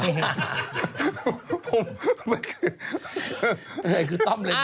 เราอีกคือ